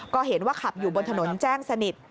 ก็เห็นว่าขับอยู่บนถนนแจ้งสนิท